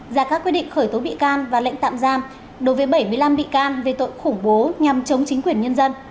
giả các quyết định khởi tố bị can và lệnh tạm giam đối với bảy mươi năm bị can về tội khủng bố nhằm chống chính quyền nhân dân